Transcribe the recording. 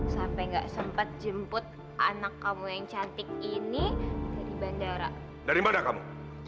sampai gak sempat jemput anak kamu yang cantik ini dari bandara dari mana kamu